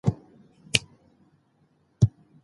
زما پوستکی وچ شوی دی